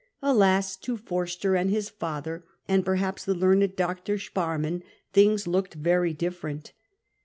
Alas ! to Forster and his father, and perhaps the learned Dr. Sparrman, things looked veiy different.